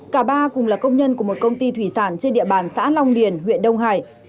cả ba cùng là công nhân của một công ty thủy sản trên địa bàn xã long điền huyện đông hải